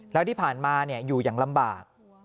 แล้วที่ผ่านมาอยู่อย่างลำบาก